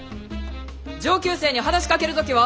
上級生に話しかける時は！